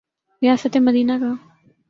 ریاست مدینہ کا۔